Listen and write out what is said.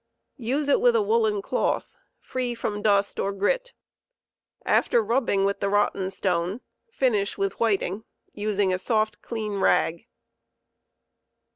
Use it with a woollen cloth, fi$e from dust or grit After rubbing with the rotten stone finish with whiting, using a soft, clean rag.